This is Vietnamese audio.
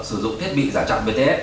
sử dụng thiết bị giả chặn bts